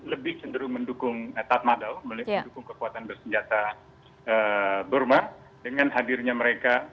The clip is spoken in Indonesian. lebih cenderung mendukung tadmadel mendukung kekuatan bersenjata burma dengan hadirnya mereka